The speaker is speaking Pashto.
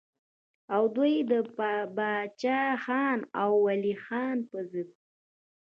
او دوي د باچا خان او ولي خان پۀ ضد